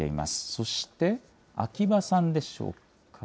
そして秋葉さんでしょうか。